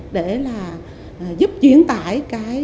để là giúp diễn tải cái